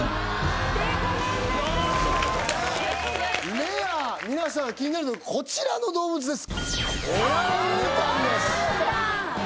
レア皆さん気になるのはこちらの動物です